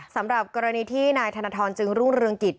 สำหรับกรณีที่นายธนทรจึงรุ่งเรืองกิจ